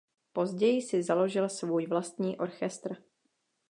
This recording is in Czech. Později si založil svůj vlastní orchestr.